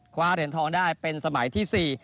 คว้าเหรียญทองได้เป็นสมัยที่๔